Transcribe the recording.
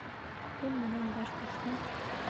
Кем менән баш ҡушһаң